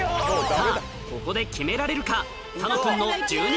さぁここで決められるか？